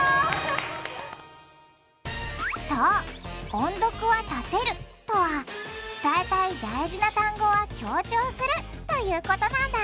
そう「音読はたてる」とは伝えたい大事な単語は強調するということなんだ。